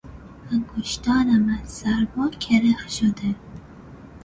انگشتانم از سرما کرخ شده.